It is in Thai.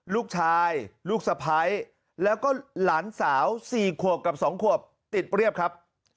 ลูกชายลูกสะพ้ายแล้วก็หลานสาว๔ขวบกับ๒ขวบติดเรียบครับ